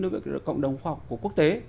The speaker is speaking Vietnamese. với cộng đồng khoa học của quốc tế